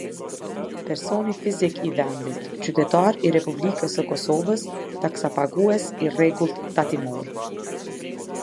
Personi fizik i vendit- qytetar i Republikës së Kosovës, taksa pagues i rregullt tatimor.